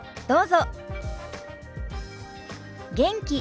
どうぞ。